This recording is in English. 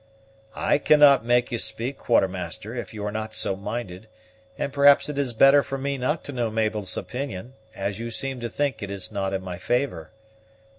"I cannot make you speak, Quartermaster, if you are not so minded, and perhaps it is better for me not to know Mabel's opinion, as you seem to think it is not in my favor.